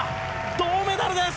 銅メダルです！